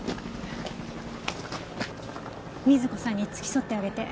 瑞子さんに付き添ってあげて。